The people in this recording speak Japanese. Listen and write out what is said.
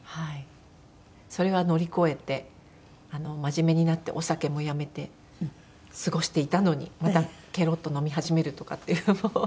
それは乗り越えて真面目になってお酒もやめて過ごしていたのにまたケロッと飲み始めるとかっていうのも。